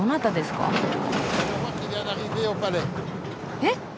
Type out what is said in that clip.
えっ？